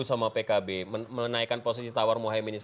sama pkb menaikan posisi tawar